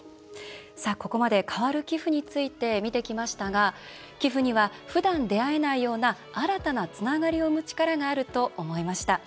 ここまで変わる寄付について見てきましたが寄付にはふだん出会えないような新たなつながりを生む力があると思いました。